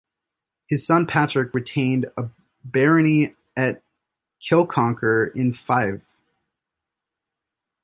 His son Patrick retained a barony at Kilconquhar in Fife.